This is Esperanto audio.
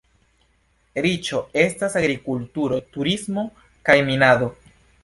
Riĉo estas agrikulturo, turismo kaj minado.